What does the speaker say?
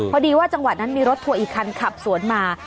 พอดีว่าจังหวะนั้นมีรถทัวร์อีกคันขับสวนมา